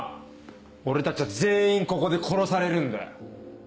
俺たちは全員ここで殺されるんだよ。